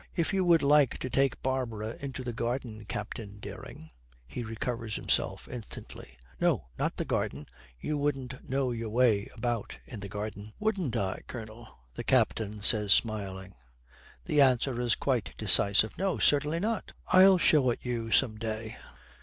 'If you would like to take Barbara into the garden, Captain Dering ' He recovers himself instantly. 'No, not the garden, you wouldn't know your way about in the garden.' 'Wouldn't I, Colonel?' the Captain says, smiling. The answer is quite decisive. 'No, certainly not. I'll show it you some day.'